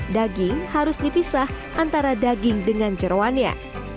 daging harus dipisah antara daging dengan jeruannya